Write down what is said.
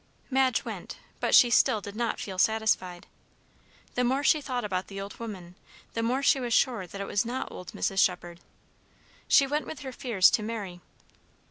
Madge went, but she still did not feel satisfied. The more she thought about the old woman, the more she was sure that it was not old Mrs. Shephard. She went with her fears to Mary.